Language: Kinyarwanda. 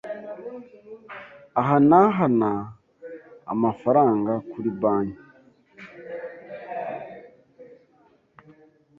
Ahanahana amafaranga kuri banki.